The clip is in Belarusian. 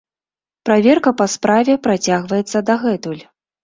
Праверка па справе працягваецца дагэтуль.